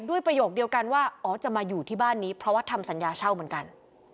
ประโยคเดียวกันว่าอ๋อจะมาอยู่ที่บ้านนี้เพราะว่าทำสัญญาเช่าเหมือนกัน